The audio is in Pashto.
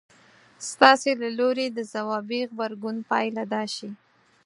ستاسې له لوري د ځوابي غبرګون پايله دا شي.